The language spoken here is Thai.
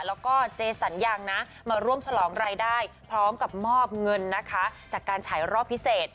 แล้วก็เจสัญญังนะมาร่วมฉลองรายได้พร้อมกับมอบเงินนะคะจากการฉายรอบพิเศษ